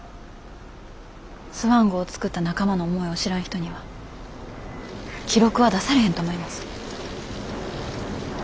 スワン号作った仲間の思いを知らん人には記録は出されへんと思います。